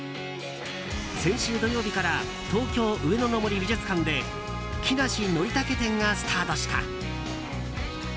先週土曜日から東京・上野の森美術館で「木梨憲武展」がスタートした。